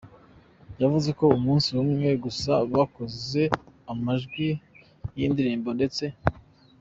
Yavuze ko umunsi umwe gusa bakoze amajwi y’iyi ndirimbo ndetse